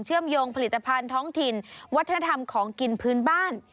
มโยงผลิตภัณฑ์ท้องถิ่นวัฒนธรรมของกินพื้นบ้าน